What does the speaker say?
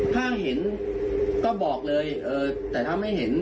ถ้าเห็นก็บอกเลยแต่ถ้าไม่เห็น